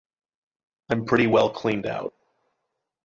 I'm pretty well cleaned out.